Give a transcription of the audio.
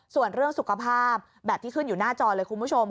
ส่วนเรื่องสุขภาพแบบที่ขึ้นอยู่หน้าจอเลยคุณผู้ชม